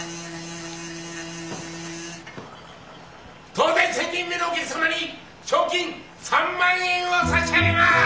当店１，０００人目のお客様に賞金３万円を差し上げます！